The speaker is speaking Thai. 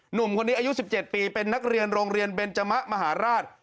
หนุ่มคนนี้อายุ๑๗ปีเป็นนักเรียนโรงเรียนเบนจมะมหาราช